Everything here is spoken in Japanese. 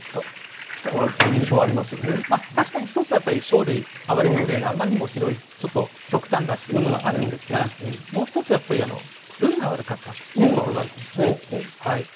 まあ確かに一つはやっぱり生類憐みの令があんまりにもひどいちょっと極端だっていうことがあるんですがもう一つやっぱり運が悪かったということがあると思うんですね。